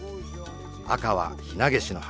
赤はひなげしの花。